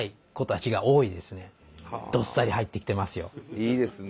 いいですね。